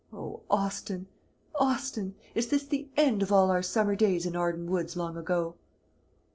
O, Austin, Austin, is this the end of all our summer days in Arden woods long ago!"